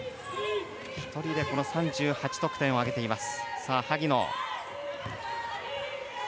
１人で３８得点挙げています。